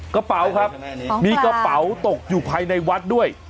กระเป๋าครับมีกระเป๋าตกอยู่ภายในวัดด้วย